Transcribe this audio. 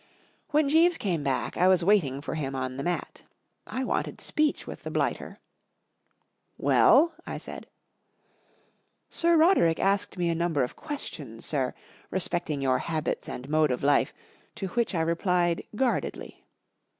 W HEN Jeeves came back, I was waiting for him on the mat. I w'anted speech with the blighter. 44 Well ?" I said. 44 Sir Roderick asked me a number of questions, sir, respecting your habits and mode of life, to which I replied guardedly."